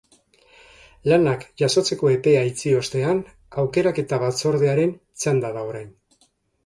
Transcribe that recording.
Lanak jasotzeko epea itxi ostean, aukeraketa batzordearen txanda da orain.